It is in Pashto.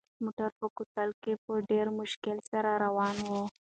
موټر په کوتل کې په ډېر مشکل سره روان و.